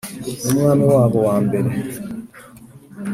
n'umwami wabo wa mbere